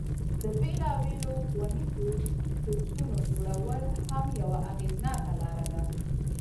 د بیلابیلو ښوونیزو کورسونو جوړول هم یوه اغیزناکه لاره ده.